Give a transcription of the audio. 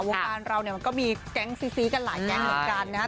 วงการเราเนี่ยมันก็มีแก๊งซีกันหลายแก๊งเหมือนกันนะครับ